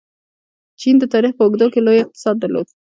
چین د تاریخ په اوږدو کې لوی اقتصاد درلود.